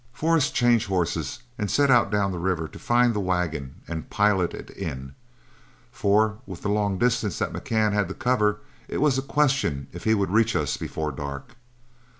Forrest changed horses and set out down the river to find the wagon and pilot it in, for with the long distance that McCann had to cover, it was a question if he would reach us before dark.